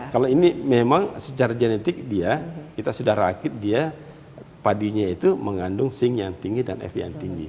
kalau ini memang secara genetik dia kita sudah rakit dia padinya itu mengandung sing yang tinggi dan efi yang tinggi